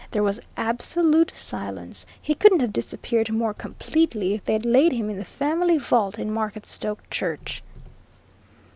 There was absolute silence he couldn't have disappeared more completely if they'd laid him in the family vault in Marketstoke church."